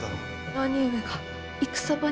兄上が戦場に。